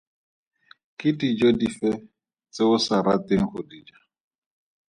Ke dijo dife tse o sa rateng go di ja?